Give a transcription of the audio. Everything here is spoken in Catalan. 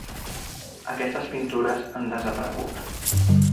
Aquestes pintures han desaparegut.